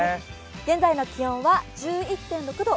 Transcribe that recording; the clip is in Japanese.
現在の気温は１１．６度。